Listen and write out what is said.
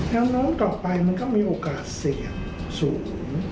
แล้วน้องต่อไปมันก็มีโอกาสเสี่ยงสูง